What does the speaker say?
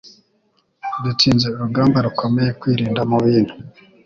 dutsinze urugamba rukomeye. Kwirinda mu bintu